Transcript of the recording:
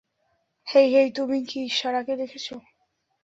হেই, hey তুমি কি সারাকে দেখেছ?